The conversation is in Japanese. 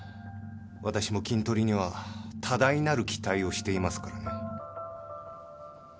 私もキントリには多大なる期待をしていますからね。